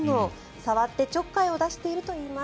触ってちょっかいを出しているといいます。